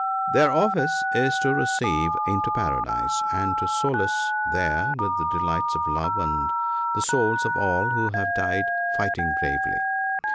Their office is to receive into Paradise and to solace there with the delights of love the souls of all who have died fighting bravely.